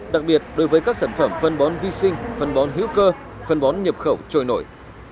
đặc biệt đối với các sản phẩm phân bón vi sinh phân bón hữu cơ phân bón nhập khẩu trôi nổi